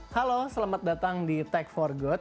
halo selamat datang di tech for good